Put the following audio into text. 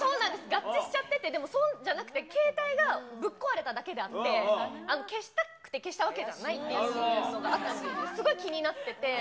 合致しちゃってて、でもそういうんじゃなくて、携帯がぶっ壊れただけであって、消したくて消したわけじゃないというのがあったんで、すごい気になってて。